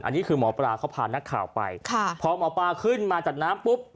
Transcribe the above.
อันนี้คือหมอปลาเขาพานักข่าวไปค่ะพอหมอปลาขึ้นมาจากน้ำปุ๊บ